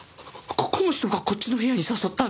この人がこっちの部屋に誘ったんです。